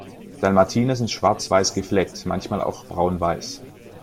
Dalmatiner sind schwarz-weiß gefleckt, manchmal auch braun-weiß.